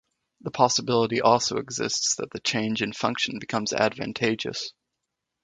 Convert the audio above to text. The possibility also exists that the change in function becomes advantageous.